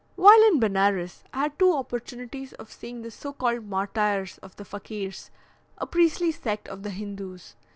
While in Benares I had two opportunities of seeing the so called martyrs of the Fakirs (a priestly sect of the Hindoos).